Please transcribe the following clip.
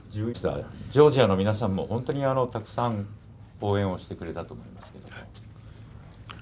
ジョージアの皆さんもたくさん応援してくれたと思います。